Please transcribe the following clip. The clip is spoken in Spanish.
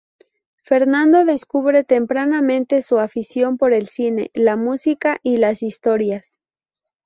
Fernando descubre tempranamente su afición por el cine, la música y las historias.